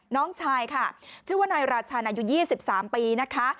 น้องชายค่ะชื่อว่านายราชันอายุ๒๓ปีนะคะ